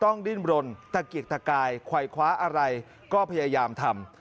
ต้องฤ่นร้นถากิกตะกายควายคว้าอะไรก็พยายามทำ